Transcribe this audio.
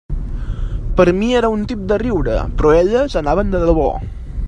Per a mi era un tip de riure, però elles anaven de debò.